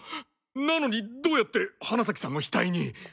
なのにどうやって花崎さんの額に。